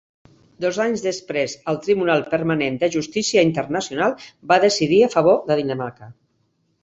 Dos anys després, el Tribunal Permanent de Justícia Internacional va decidir a favor de Dinamarca.